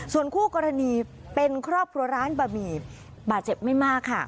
ส่วนคู่กรณีเป็นครอบครัวร้านบะหมี่บาดเจ็บไม่มากค่ะ